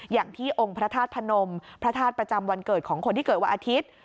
อย่างที่องค์พระธาตุพนมพระธาตุประจำวันเกิดของคนที่เกิดวันอาทิตย์